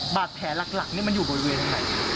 บาดแผลหลักนี่มันอยู่บริเวณไหน